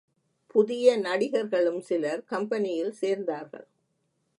புதிய நடிகர்களும் சிலர் கம்பெனியில் சேர்ந்தார்கள்.